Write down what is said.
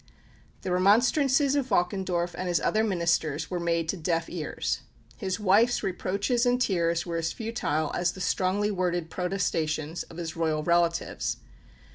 The remonstrances of Valkendorf and his other ministers were made to deaf ears; his wife's reproaches and tears were as futile as the strongly worded protestations of his Royal relatives.